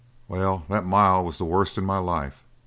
"Well, that mile was the worst in my life.